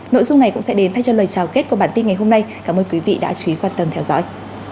nội dung này cũng sẽ đến thay cho lời chào kết của bản tin ngày hôm nay cảm ơn quý vị đã chú ý quan tâm theo dõi